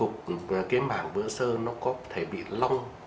cái mảng vữa sơ nó có thể bị long